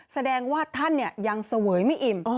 แสดงว่าท่านยังเสวยไม่อิ่ม